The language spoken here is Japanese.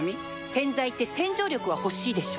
洗剤って洗浄力は欲しいでしょ